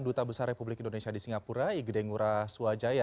duta besar republik indonesia di singapura igede ngura swajaya